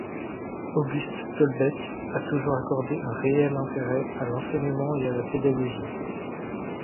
Auguste Tolbecque a toujours accordé un réel intérêt à l’enseignement et à la pédagogie.